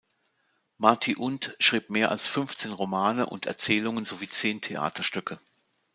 Mati Unt schrieb mehr als fünfzehn Romane und Erzählungen sowie zehn Theaterstücke.